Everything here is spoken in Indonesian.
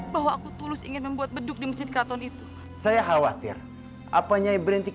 suara beduknya besar sekali pak